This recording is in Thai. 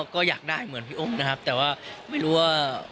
ก็อยากได้เหมือนพี่โอ๊คนะครับแต่ว่าไม่รู้ว่า